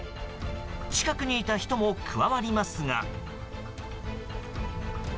近くにいた人も加わりますが。